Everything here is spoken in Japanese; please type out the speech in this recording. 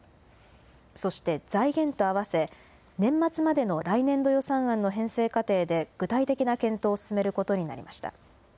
そして、財源とあわせ、年末までの来年度予算案の編成過程で、具体的な検討を進めることになりました。